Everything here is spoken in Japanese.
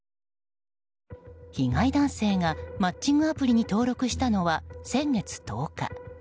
被害男性がマッチングアプリに登録したのは先月１０日。